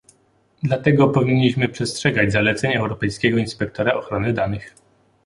Dlatego powinniśmy przestrzegać zaleceń Europejskiego Inspektora Ochrony Danych